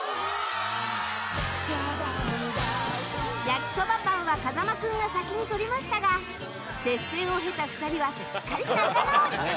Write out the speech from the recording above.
焼きそばパンは風間君が先に取りましたが接戦を経た２人はすっかり仲直り。